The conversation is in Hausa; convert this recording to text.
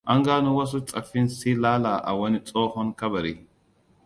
An gano wasu tsaffin silalla a wani tsohon kabari.